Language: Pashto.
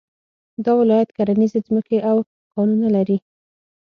دا ولایت کرنيزې ځمکې او کانونه لري